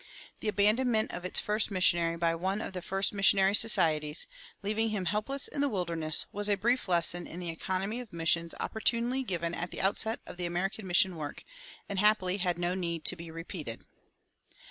The abandonment of its first missionary by one of the first missionary societies, leaving him helpless in the wilderness, was a brief lesson in the economy of missions opportunely given at the outset of the American mission work, and happily had no need to be repeated.